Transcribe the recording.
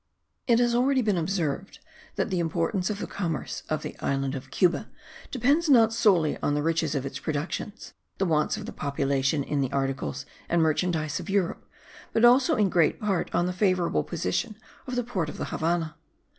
It has already been observed that the importance of the commerce of the island of Cuba depends not solely on the riches of its productions, the wants of the population in the articles and merchandize of Europe, but also in great part on the favourable position of the port of the Havannah.